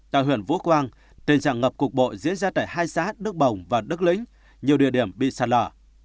tại huyện vũ quang tình trạng ngập cục bộ diễn ra tại hai xã đức bồng và đức lĩnh nhiều địa điểm bị sạt lở